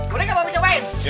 boleh gak papi cobain